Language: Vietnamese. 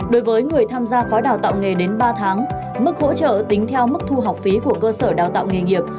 đối với người tham gia khóa đào tạo nghề đến ba tháng mức hỗ trợ tính theo mức thu học phí của cơ sở đào tạo nghề nghiệp